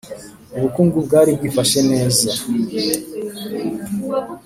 ubukungu bwari bwifashe neza,